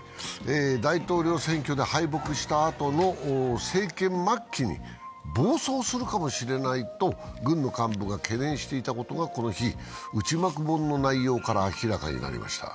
大統領選挙で敗北したあとの政権末期に暴走するかもしれないと軍の幹部が懸念していたことがこの日、内幕本の内容から明らかになりました。